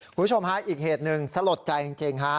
คุณผู้ชมฮะอีกเหตุหนึ่งสลดใจจริงฮะ